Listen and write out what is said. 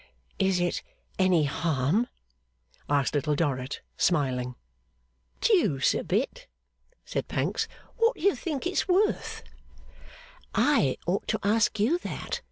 'Is it any harm?' asked Little Dorrit, smiling. 'Deuce a bit!' said Pancks. 'What do you think it's worth?' 'I ought to ask you that.